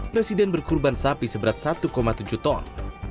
presiden berkurban sapi seberat satu tujuh ton